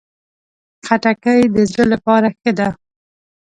خټکی د زړه لپاره ښه ده.